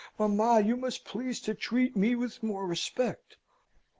Mamma, you must please to treat me with more respect.